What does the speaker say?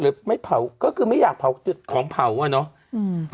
หรือไม่เผาก็คือไม่อยากเผาของเผาอ่ะเนาะ